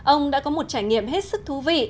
ông đã có một trải nghiệm hết sức thú vị